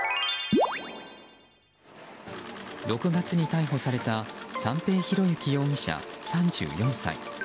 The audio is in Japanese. ６月に逮捕された三瓶博幸容疑者、３４歳。